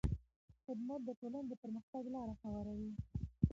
خدمت د ټولنې د پرمختګ لاره هواروي.